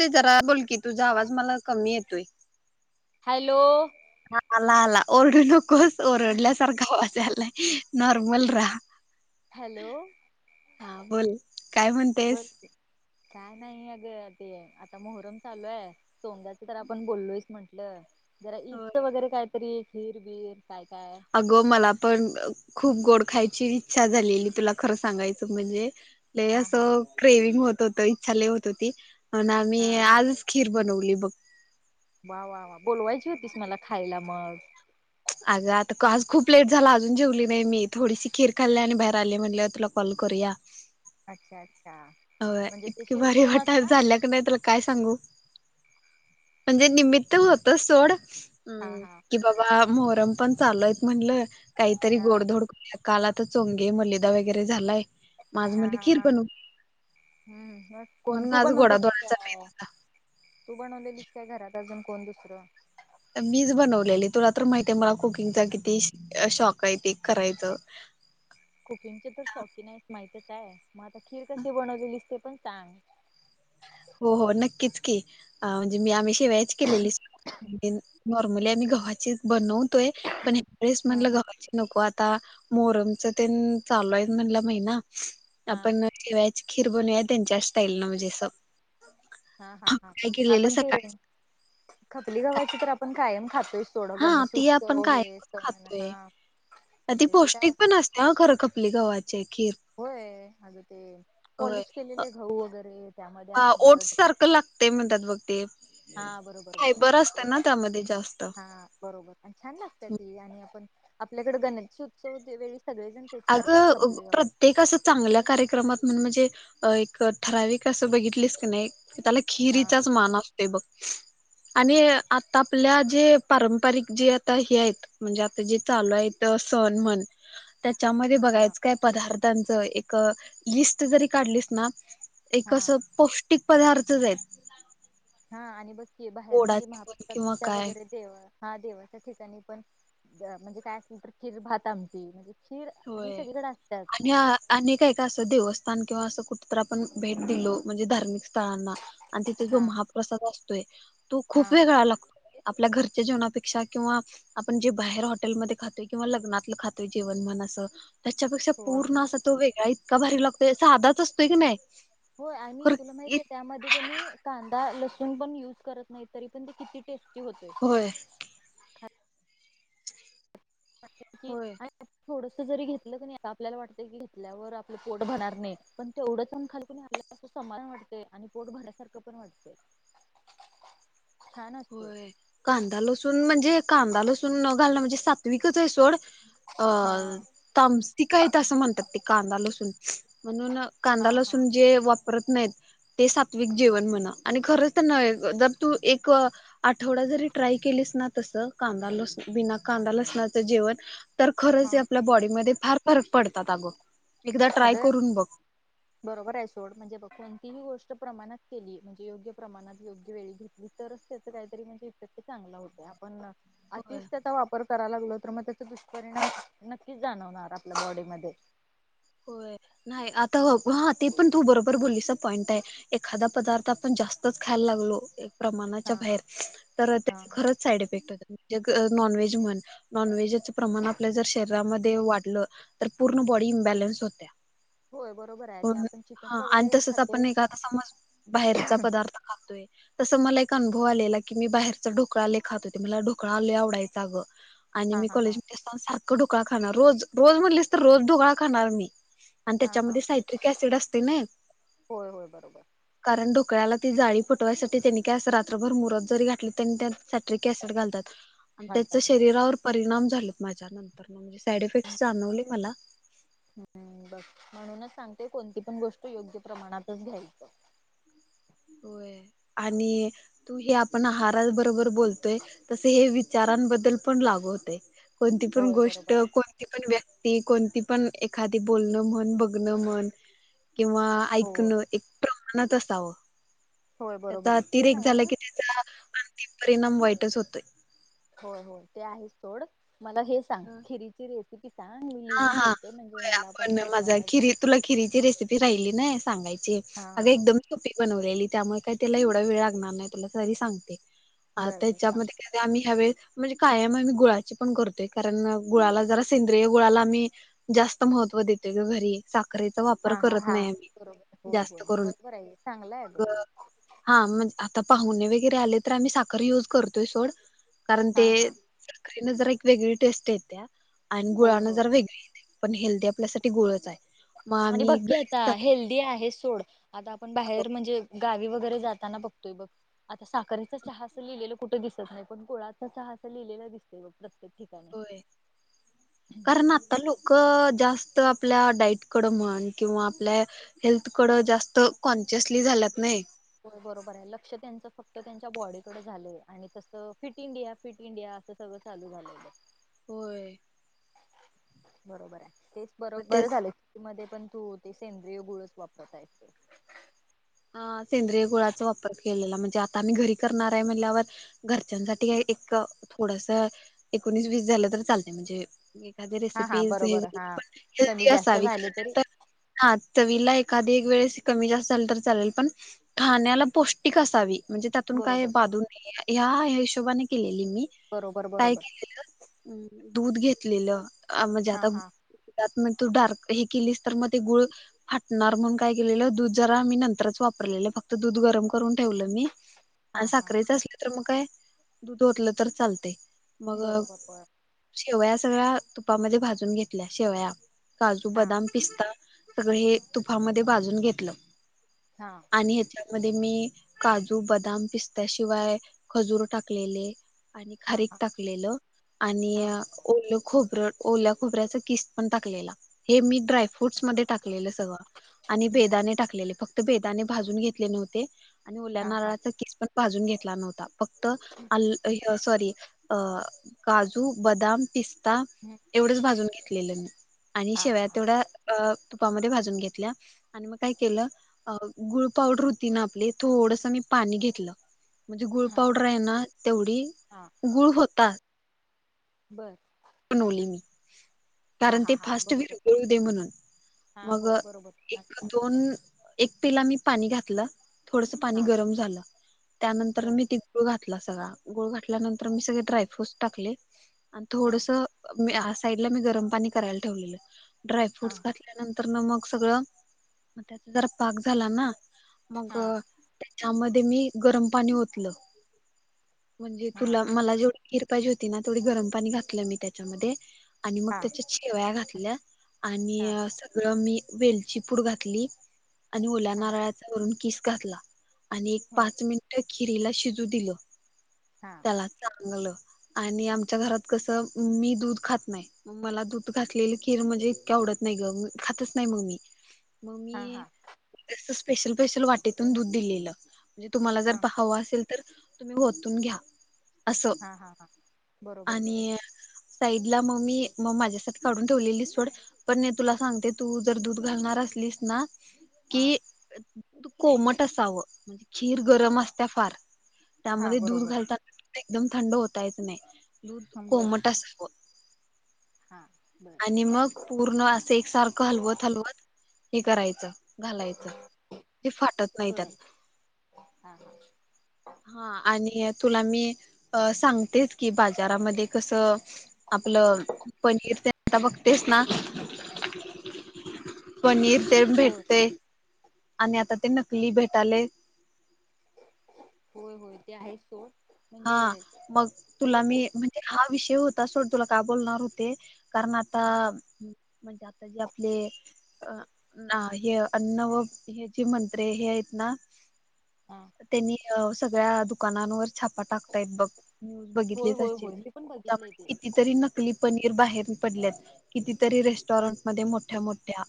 ते जरा बोल की तुझा आवाज मला कमी येतोय. हॅलो ह आला आला ओरडू नकोस ओरडल्यासारखा आवाज यायलाय. नॉर्मल रहा. हॅलो हा बोल काय म्हणतेस बोल की काय नाही अग ते आता मोहरम चालू आहे. सोंद्याच तर आपण बोललोच म्हंटल. जरा ईदच होय. वगैरे काहीतरी खिर बिर काय -काय. अग मला पण खूप गोड खायची इच्छा झालेली तुला खर सांगायच म्हणजे. हा अस हा क्रेविंग होत होत इच्छा लय होत होती म्हणून आम्ही हा आज खीर बनवली मग वा वा वा बोलवायची होतीस मला खायला मग. अगं आता आज खूप लेट झाला अजून जेवली नाही मी थोडीशी खीर खाल्ली आणि बाहेर आली म्हणलं तुला कॉल करूया. अच्छा अच्छा. होय म्हणजे ते इतके भारी शिरखुरमा वटाणे असत ना झाल्यात काय सांगू म्हणजे निमित्त होत सोड हा हम्म हा कि बाबा मोहरम पण चालु आहेत म्हटलं काहीतरी हा गोडधोड काल आता चोंगे मलिदा वगैरे झालाय. माझ हा म्हणलं हा खीर हा बनवू हम्म कोण म्हणून तु आज बनवलीलीस होतीस गोडाधोडाचा बेत काय होता तू बनवलेलीस काय घरात अजून कोण दुसरं मीच बनवलेली तुला तर माहितीय मला कुकिंगचा किती शॉक आहे ते करायचं कुकिंगचे तर शौकीन आहेस माहितच आहे, मग आता खीर कशी बनवलेलीस ते पण सांग. हो हो नक्कीच की म्हणजे मी आम्ही शेवया च केलेली नॉर्मली आम्ही गव्हाची बनवतोय पण या वेळेस हम्म म्हणलं हम्म गव्हाची नको आता मोहरमच तेन चालू आहे म्हणलं महिना हा आपण शेवयाची खिर बनुया त्यांच्या स्टाईल न म्हणजे असं हा हा हा काय केलेलं आपण ते सकाळी खपली गव्हाची तर आपण कायम खातो थोडं हा गणेश ती आपण उत्सव हे सण हा अ ती म्हणजे ते काय पौष्टिक पण असन खरं खपली गव्हाचे खीर होय अग ते पॉलिश केलेले गहु वगैरे त्यामध्ये ह असणार ओट्स सारखं लागतय म्हणत्यात बघ ते हा बरोबर फायबर असत बरोबर ना त्यामध्ये जास्त. हा बरोबर छान लागत्यात ते आणि आपण आपल्याकडे गणेश उत्सव त्या वेळी सगळेजण तेच करतात अगं खपली गव्हाची प्रत्येक असं चांगल्या कार्यक्रमात म्हणजे एक ठराविक बघितलीस की नाही त्याला हा खिरीचाच मान असतोय बघ. आणि आता आपल्या जे पारंपरिक जे आता हे आहेत म्हणजे आता जे चालु आहेत सण म्हण त्याच्यामध्ये हा बघायचं काय पदार्थांचं एक लिस्ट जरी काढलीस ना एक हा असं पौष्टिक पदार्थच हाईत. हा आणि बघकी बाहेर म्हणजे गोडाचे म्हण किंवा महाप्रसाद काय वगैरे देव हा देवळ त्या ठिकाणी पण म्हणजे काय असल तर खिर भात आमटी म्हणजे खीर ही होय सगळीकडे अस आणि त्याच. आणि काय काय असं देवस्थान किंवा असं कुठ तर आपण भेट दिलो म्हणजे धार्मिक स्थळांना आणि तिथे जो हा महाप्रसाद असतोय तो खूप हा वेगळा लागतो आपल्या घरच्या जेवणापेक्षा किंवा आपण जे बाहेर हॉटेलमध्ये खातोय किंवा लग्नातलं खातोय जेवन म्हणा कसं त्याच्यापेक्षा होय पूर्ण असा तो वेगळा इतका भारी लागतोय साधाच असतोय की नाही होय आणि खर तुला माहत त्यामध्ये त्यांनी कांदा लसूण पण यूज करत नाही तरी पण ते किती टेस्टी होतय. होय. होय [unintelligible] थोडस जरी घेतलं कि नाही आपल्याला वाटत की घेतल्यावर आपलं पोट भरणार नाही पण तेवढंचण खालक आप अस समाधान वाटतंय आणि पोट भरल्यासारखं पण वाटतय. होय कांदा लसूण म्हणजे कांदा लसूण न घालणं म्हणजे सात्विकच आहे सोड हा [unintelligible] तामसिक आहेत असं म्हणतात ते कांदा लसूून म्हणून कांदा हा हा लसून जे वाप रत नाहीत ते सात्विक जेवण म्हण. आणि खरच त्यांना जर तू एक आठवडा जरी ट्राय केलीस ना तस, कांदा -लसुन बिना कांदा लसणाचं जेवण, तर खरंच हा आपल्या बॉडीमध्ये फार फरक पडतात अगं. एकदा ट्राय अगं करून बघ. बरोबर आहे सोड. म्हणजे बघ, कोणतीही गोष्ट प्रमाणात केली. म्हणजे योग्य प्रमाणात योग्य वेळी घेतली तर, त्याच काहीतरी म्हणजे इफेक्ट चांगला होते. आपण होय अतीच त्याचा वापर करायला लागल तर मग, त्याचा दुष्परिणाम नक्कीच जाणवणार आपल्या बॉडीमध्ये. नाही आता हो. ते पण तू बरोबर बोललीस पॉईंट आहे. एखादा पदार्थ आपण जास्तच खायला लागलो. प्रमाणाच्या हा बाहेर तर ते हा खरच. साईड इफेक्ट एक नॉनव्हेज म्हण नॉनव्हेज च प्रमाण आपल्या जर शरीरामध्ये, ते वाढल तर पूर्ण बॉडी एम्बलेन्स होत्या. होय बरोबर आहे ते आपण चिकन हा आणि वगैरे तसच खातोय आपण एखादा समज बाहेरचा पदार्थ खातोय. तस मला एक अनुभव आलेला की, मी बाहेरचा ढोकळा लय खात होते. मला ढोकळा लय आवडायचा आ गं. आणि हा मी हा हा कॉलेजमध्ये असताना सारखं ढोकळा खाणार रोज रोज म्हटलीस तर रोज ढोकळा खाणार मी. आणि हा हा त्याच्यामध्ये सायट्रिक ऍसिड असते नाही. होय होय बरोबर कारण ढोकळ्याला ती जाळी फुटवायसाठी त्यांने काय अस रात्रभर मुरत जरी घातल तरी त्यात सॅट्रिक ऍसिड घालतात. [inaudible] आणि त्याच होय शरीरावर परिणाम झाल माझ्या. साईड इफेक्ट जाणवले मला. हम्म. बग म्हणूनच सांगते कोणती पण गोष्ट योग्य प्रमाणातच घ्यायचं. हम आणि तू हे आपण आहारा बरोबर बोलतोय. तस हे विचारांबद्दल पण लागु होतय. कोणती पण होय गोष्ट बरोबर आहे कोण ती पण व्यक्ती, कोणती पण एखादी बोलणं म्हण, बघणं म्हण किंवा हो ऐकणं एक प्रमाणात असावं. होय बरोबर त्याचा आहे ते अतिरेक झाला नव्ह की, त्याचा आर्थिक परिणाम वाईटच होतोय. होय होय. ते आहेच सोड मला हेच सांग. खिरीची रेसिपी सांग. मी हा लिहून हा ठेवते म्हणजे होय मला आपण पण बनवाय माझा खिरी तुला खिरीची रेसिपी राहिली नाही सांगायची. अग हा एकदम तू ती बनवलेली त्यामुळे काही त्याला एवढा वेळ लागणार नाही. तुला तरी सांगते. बर बर सांग त्याच्यामध्ये आम्ही ह्यावेळी म्हणजे कायम गुळाची पण करतो. कारण गुळाला जरा सेंद्रिय गुळाला आम्ही जास्त महत्त्व देतोय गं घरी. साख रेचा वापर हा हा करत हा नाही बरोबर होय जास्त होय करून. बरोबर आहे चांगला आहे ग मग, हा. म्हणजे आता पाहुणे वगैरे आले तर, आम्ही साखर युज करतोय सोड. कारण हा ते हा हेन जरा एक वेगळी टेस्ट येत्या आणि होय गुळान होय जरा वेगळी पण हेल्दी आपल्यासाठी गुळच आहे. मग आणि बघ आम्ही की घरीच आता, करता हेल्दी आहे सोड आता आपण बाहेर म्हणजे, गावी वगैरे जाताना. बघतोय बघ, आता साखरेच चहा असं लिहिलेलं कुठं दिसत नाही. पण गुळाचा चहा असं लिहिलेलं दिसते बघ. प्रत्येक ठिकाणी होय. कारण आ ता लोक जास्त आपल्या डाईट कड म्हण किंवा आपल्या हेल्थकडं जास्त कॉन्शियसली झाल्यात नाही. हो बरोबर आहे. लक्ष त्यांच फक्त त्यांच्या बॉडीकडे झालंय आणि तस फिट इंडिया, फिट इंडिया ते सगळं चालू झालेलं. होय. बरोबर आहे. तेच मग बरोबर तेच झाले. मध्यें पणं तूं ते सेंद्रिय गुळंच वापरता ये सेंद्रिय गुळांचा वापर केलेला म्हणजे आंता आम्हीं घरी करणारं आहे म्हंणल्यांवर घरच्यांसाठी एक थोडंसं एकोणीस वीस झालं तरं चालतं म्हणजे एखादी हा हा रेसिपीज हे बरोबर हा कमी हेल्दी जास्त असावी झाले तरी हां चवीला एखादी एक वेळेसं कमी जास्तं झालीं तरं चालेल पणं खाण्यांला पौष्टिक असावी म्हणजे त्यांतून कायं बरोबर बांधून ह्यां हं हिशोबाने केलेली मी बरोबर कायं बरोबर केलेलं हम्मं दूधं घेतलेलं म्हणजे हा आंता हा त्यांत मंग तूं डार्क हे केलीस तरं मंग ते गुळं फाटणांर म्हणूंन कायं केलेलं दूधं जरां मी नंतर तरंच वापरलं दूंध गरम करूंन ठेवल मी हा हा सांखरेचा चं तरं मंग कायं दूधं होतलं तरं चालते मंग कायं बरोबर बर शेवया सगळ्यां तुपामध्यें भाजूंन घेतल्यां शेवया काजूं हा बदांम पिस्ता सगळं हे तुपामध्यें भाजूंन घेतलं हां आणि ह्यांच्यामध्यें मी काजूं बदांम पिस्त्यांशिवाय खजुंर टाकलेले हा खारीक हा टाकलेलं आणि हा ओल खोबरं ओल्यां खोबऱ्यांच किस पणं टाकलेला हे मी ड्रायफ्रूंट्स मध्यें टाकलेलं सगळं आणि बर बेदाने टाकलेले फक्तं बेदाणे भाजूंन घेतले नव्हते आणि ल्यां हा हा नारळांचा किस पणं भाजूंन घेतलां नव्हतां फक्तं अं सॉरी अं काजूं बदांम पिस्ता हम्मं एवढंच भाजूंन घेतलेलं मी आणि शेवया हा हा तेवढ्यां तुपांमध्यें भाजूंन घेतल्यां आणि मंग कायं केलं गुळं पावडर होती नां आपली थोडंसं मी पाणी घेतलं म्हणजे गुळं हा पावडर आहे नां तेव्हढीच हा गुळं होतां बर बनवली मी हा कारणं हा ते हा फांस्ट बरोबर वरळूं दे म्हणूंन हा मंग होय बरोबर एक अच्छा दोन अं एक पिलां मी पाणी घातलं थोडंसं पाणी हा गरमं झालं त्यानंतर बर मी ते गुळं घातलां गुळ घातल्यानंतर मी सगळे ड्रायफ्रूंट टाकले आणि हा थोडंसं मं यां साईडला मी गरमं पाणी करायला ठेवले ड्राय हा फ्रूट हा घातले नंतर नं मगं सगळं त्यांचा जरां पाक झालां नां मंग हा त्यांच्यामध्ये मी गरमं पाणी ओतलं म्हणजे हा तुंला मलां जेवढं खिर पाहिजे होती नां थोंडी गरमं पाणी घातलं मी त्यांच्यामध्ये आणि मंग हा त्यांच्यात शेवाळया घातल्यां आणि हा हा सगळं मी वेलची पूंड घातली आणि ओल्यां हा नारळांचा वरूंन किस घातलां आणि एक होय पांच मिनिटे खिरीला शिजूं दिलं हां चांगलं आणि आमच्यां घरांत कसं मी दूधं खातं नाहीं मंग मंदा दूधं घातलेली खीर म्हणजे ईतके आवडतं नाहीं गं खायचं नाहीं मंग मी मंग हा मी हा हा असं स्पेशल स्पेशल वाटेतूंन दूधं दिलेलं म्हणजे तुम्हांला जरं हा पाहावं असेल हो तरं तुम्हीं वरतूंन घ्यां. असं हा हा बरोबर आणि बरोबर साईड लां मंग मी मंग माझ्यासांठी काढूं ठेवलेली सोंड. पणं मी तुलां सांगते तूं जरं दूधं घालणांर असलीस नां कि हा कोमट असावं म्हणजे खीर गरमं असत्यां फांर. हा त्यांमध्ये दूधं बरोबर घालतांना एकदंम थंड ओतायचं नाहीं दूधं हा बर कोमट असावं हा बरं. णि मग, पूर्ण असं एक सारखं हलवत, हलवत हे करायचं. घालायचं, ते फाटत नाहीत बर त्यात. हा हा. हा आणि तुला मी अ सांगतेच की, बाजारामध्ये कस, आपलं पनीर तेन आता बघतेस ना, पनीर तेन होय भेटतय आणि आता ते नकली भेटालय. होय होय, ते हायच सोड. म्हणजे हा, मग तुला सगळं मी पो म्ह एक हा विषय होता सोड, तुला का बोलणार होते, कारण आता म्हणजे आता जे आपले, अ. ना, हे, अन्न व हे जे मंत्रे हे आहेत ना. हां, तेनी अ सगळ्या दुकानांवर छापा टाकतायेत बघ. न्यूज होय, होय होय मी पण बघितलंय तेे.. तरी नकली पनीर बाहेर पडल्यात, कितीतरी रेस्टॉरंट मध्ये मोठ्या मोठ्या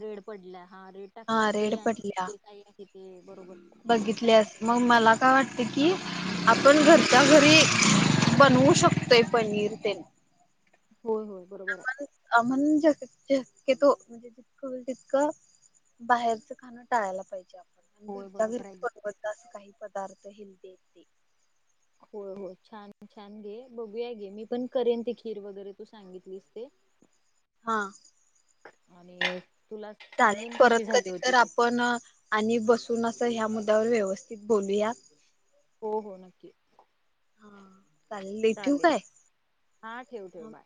रेड पडल्या, हा रेड टाकतात हा रेड ते आणि पडल्या ते काही आहे ते बरोबर. बघितल्यास, मग मला काय वाटत की, आपण घरच्या घरी बनवू शकतोय पनीर तेन. होय होय, बरोबर हाय. आ म्हणक तो म्हणजे जितकं होईल तितकं. बाहेरच खाण टाळायला पाहिजे आपण नी होय घरच्या बरोबर आहे घरीच की. बनवत लाच. काही पदार्थ हेल्दी हायेत ते होय होय, छान छान घे, बघूया घे. मी पण करेन ते खीर वगैरे तू सांगितलीस ते. ह [inaudible] हा. आणि तुला सांगेन कशी झाली होती ते. पण अ आणि बसून असं ह्या मुद्द्यावर व्यवस्थित बोलूया. हो हो नक्की. हा, चालेल ल ठेवू काय? हा ठेव ठेव, बाय.